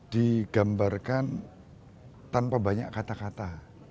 digambarkan tanpa banyak kata kata